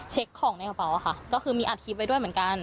ของในกระเป๋าค่ะก็คือมีอัดคลิปไว้ด้วยเหมือนกัน